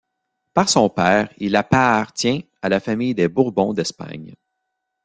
Par son père, il appaartient à la famille des Bourbon d'Espagne.